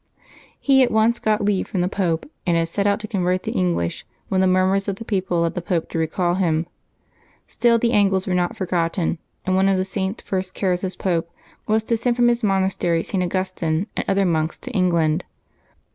He at once got leave from the Pope, and had set out to convert the English when the murmurs of the people led the Pope to recall him. Still the Angles were not forgotten, and one of the Saint's first cares as Pope was to send from his own monastery St. Augustine and other monks to England.